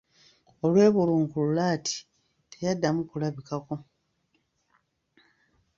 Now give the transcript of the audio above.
Olwebulungulula ati teyaddamu kulabikako.